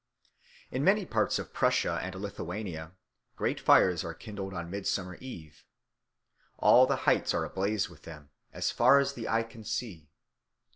In many parts of Prussia and Lithuania great fires are kindled on Midsummer Eve. All the heights are ablaze with them, as far as the eye can see.